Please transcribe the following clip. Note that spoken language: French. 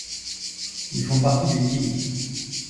Ils font partie des killis.